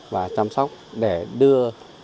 và chăm sóc để đưa